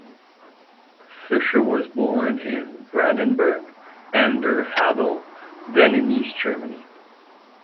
Fischer was born in Brandenburg an der Havel, then in East Germany.